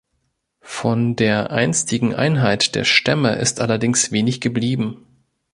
Von der einstigen Einheit der Stämme ist allerdings wenig geblieben.